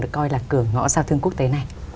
được coi là cửa ngõ giao thương quốc tế này